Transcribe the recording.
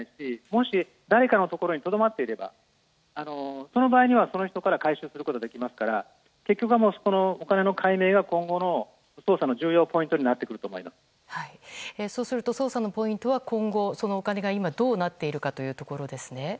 もし、誰かのところにとどまっている場合にはその場所から回収することができますから結局はお金の解明は今後の捜査の重要ポイントにそうすると捜査のポイントは今後、そのお金が今どうなっているかというところですね。